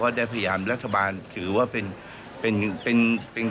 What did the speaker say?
ส่วนเรื่องของการทำผิดนั่นก็เป็นเรื่องของการสอบสวน